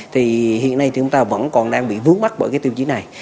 thì hiện nay thì chúng ta vẫn còn đang bị vướng mắt bởi cái tiêu chí này